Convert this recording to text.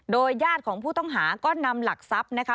ญาติของผู้ต้องหาก็นำหลักทรัพย์นะคะ